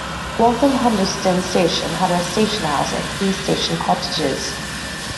Waltham Humberston Station had a station house and three station cottages.